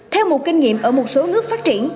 theo một kinh nghiệm ở một số nước phát triển